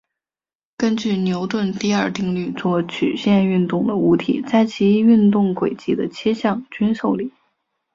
根据牛顿第二定律做曲线运动的物体在其运动轨迹的切向均受力。